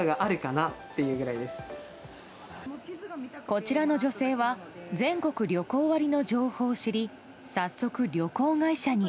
こちらの女性は全国旅行割の情報を知り早速、旅行会社に。